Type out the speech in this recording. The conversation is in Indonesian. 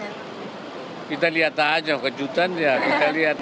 kita lihat aja kejutan ya kita lihat